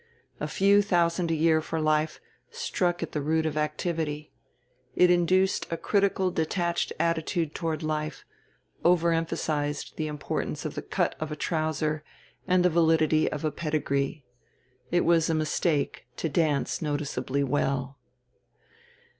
A few thousand a year for life struck at the root of activity. It induced a critical detached attitude toward life, overemphasized the importance of the cut of a trouser and the validity of pedigree. It was a mistake to dance noticeably well.